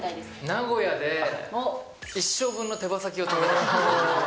名古屋で、一生分の手羽先を食べたいです。